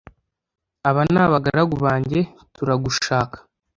aba nabagaragu banjye turagushaka